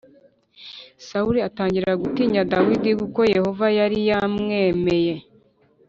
Sawuli atangira gutinya Dawidi kuko Yehova yari yamwemeye